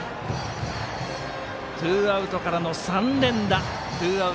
ツーアウトからの３連打。